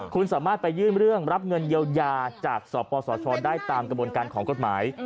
คุณสามารถไปยื่นเรื่องรับเงินเยียวยาจากสปสชได้ตามกระบวนการของกฎหมาย